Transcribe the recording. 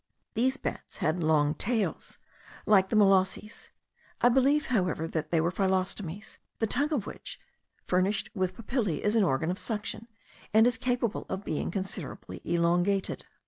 These bats had long tails, like the Molosses: I believe, however, that they were Phyllostomes, the tongue of which, furnished with papillae, is an organ of suction, and is capable of being considerably elongated.